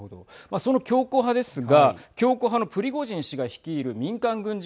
その強硬派ですが強硬派のプリゴージン氏が率いるはい。